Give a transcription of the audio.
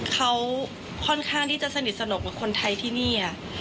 เขาค่อนข้างที่จะสนิทสนมกับคนไทยที่นี่